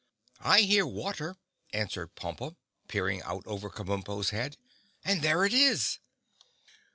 "I hear water," answered Pompa, peering out over Kabumpo's head, "and there it is!"